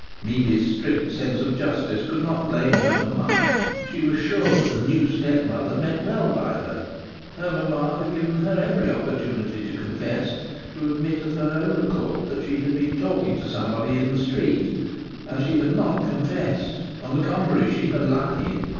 Mimi's strict sense of justice could not blame her mamma. She was sure that the new stepmother meant well by her. Her mamma had given her every opportunity to confess, to admit of her own accord that she had been talking to somebody in the street, and she had not confessed. On the contrary, she had lied.